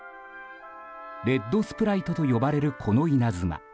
レッドスプライトと呼ばれるこの稲妻。